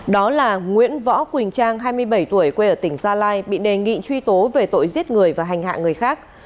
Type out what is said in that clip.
đó là nguyễn võ quỳnh trang hai mươi bảy tuổi quê ở tỉnh gia lai bị đề nghị truy tố về tội giết người và hành hạ người khác